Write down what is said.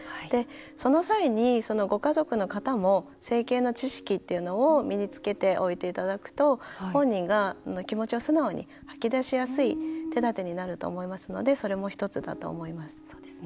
その際に、ご家族の方も整形の知識っていうのを身につけておいていただくと本人が気持ちを素直に吐き出しやすい手だてになると思いますのでそれも１つだと思います。